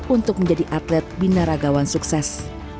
untuk menjadi atlet binaragawan sukses